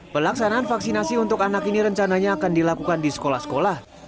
pelaksanaan vaksinasi untuk anak ini rencananya akan dilakukan di sekolah sekolah